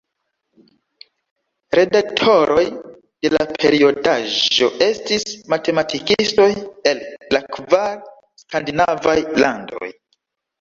Redaktoroj de la periodaĵo estis matematikistoj el la kvar skandinavaj landoj.